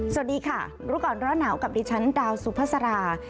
สวัสดีค่ะรู้ก่อนร้อนหนาวกับดิฉันดาวสุภาษา